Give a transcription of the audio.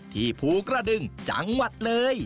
ที่ผู้กระดึงจังหวัดเลย